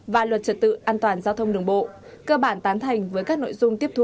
và luật trật tự an toàn giao thông đường bộ cơ bản tán thành với các nội dung tiếp thu